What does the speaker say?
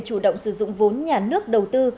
chủ động sử dụng vốn nhà nước đầu tư